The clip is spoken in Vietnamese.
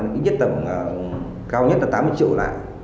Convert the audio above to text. nhất tầm cao nhất là tám mươi triệu lại